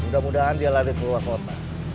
mudah mudahan dia lari keluar kota